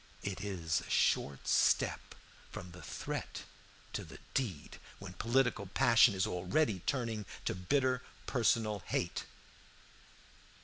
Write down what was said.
It is a short step from the threat to the deed when political passion is already turning to bitter personal hate.